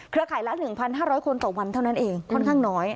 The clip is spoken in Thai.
ข่ายละ๑๕๐๐คนต่อวันเท่านั้นเองค่อนข้างน้อย